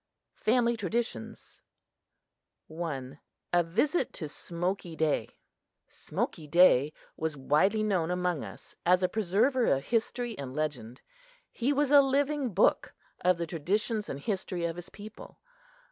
V. FAMILY TRADITIONS I: A Visit to Smoky Day SMOKY DAY was widely known among us as a preserver of history and legend. He was a living book of the traditions and history of his people.